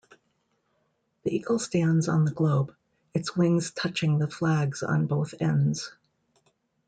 The eagle stands on the globe, its wings touching the flags on both ends.